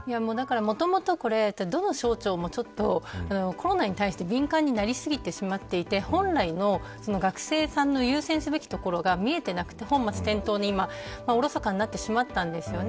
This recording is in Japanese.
もともと、どの省庁もちょっとコロナに対して敏感になり過ぎてしまっていて本来の学生さんの優先すべきところが見えてなくて本末転倒で今おろそかになってしまったんですよね。